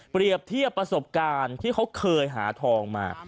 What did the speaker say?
เทียบประสบการณ์ที่เขาเคยหาทองมา